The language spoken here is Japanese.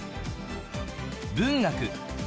文学。